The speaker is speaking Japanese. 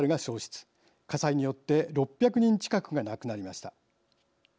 火災によって６００人近くが亡くなりました。